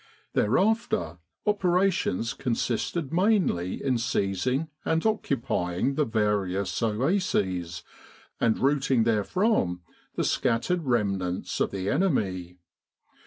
Thereafter operations consisted mainly in seizing and occupying the various oases and routing there from the scattered remnants of the enemy.